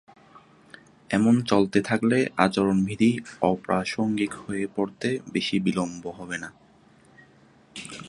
এমন চলতে থাকলে আচরণবিধি অপ্রাসঙ্গিক হয়ে পড়তে বেশি বিলম্ব হবে না।